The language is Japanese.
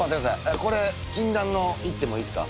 これ禁断の言ってもいいですか？